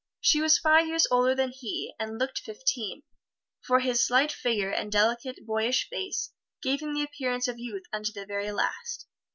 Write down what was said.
She was five years older than he, and looked fifteen, for his slight figure and delicate, boyish face gave him the appearance of youth unto the very last.